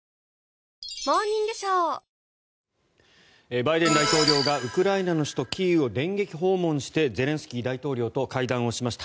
⁉バイデン大統領がウクライナの首都キーウを電撃訪問してゼレンスキー大統領と会談をしました。